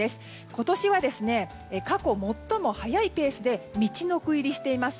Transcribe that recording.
今年は過去最も早いペースでみちのく入りしています。